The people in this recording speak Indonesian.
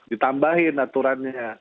itu masih berjalan aturannya